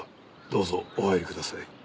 どうぞお入りください。